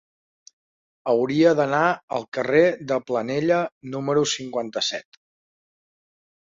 Hauria d'anar al carrer de Planella número cinquanta-set.